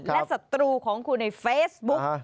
และศัตรูของคุณในเฟซบุ๊ก